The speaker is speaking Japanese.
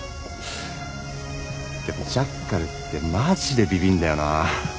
でもジャッカルってマジでビビんだよな。